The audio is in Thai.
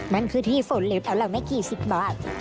มันคือที่ฝนเล็บอันละไม่กี่สิบบาท